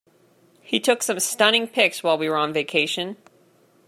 He took some stunning pics while we were on vacation.